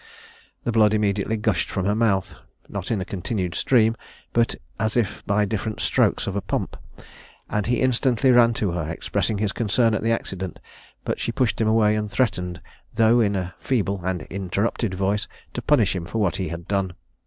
The blood immediately gushed from her mouth, not in a continued stream, but as if by different strokes of a pump, and he instantly ran to her, expressing his concern at the accident; but she pushed him away, and threatened, though in a feeble and interrupted voice, to punish him for what he had done.